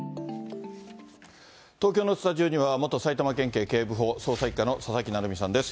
東京のスタジオには、元埼玉県警警部補、捜査１課の佐々木成三さんです。